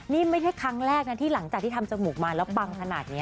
นี่ไม่ใช่ครั้งแรกนะที่หลังจากที่ทำจมูกมาแล้วปังขนาดนี้